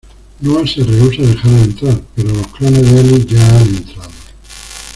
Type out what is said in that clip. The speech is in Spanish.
Noah se rehúsa a dejarlo entrar, pero los clones de Eli ya han entrado.